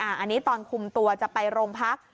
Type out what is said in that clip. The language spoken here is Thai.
อันนี้ตอนคุมตัวจะไปโรงพัก